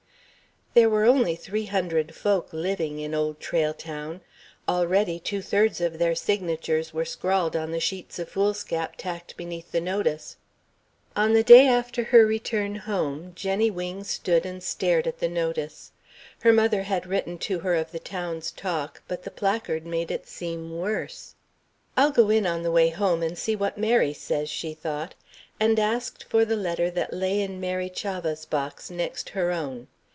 There were only three hundred folk living in Old Trail Town. Already two thirds of their signatures were scrawled on the sheets of foolscap tacked beneath the notice. On the day after her return home, Jenny Wing stood and stared at the notice. Her mother had written to her of the town's talk, but the placard made it seem worse. "I'll go in on the way home and see what Mary says," she thought, and asked for the letter that lay in Mary Chavah's box, next her own.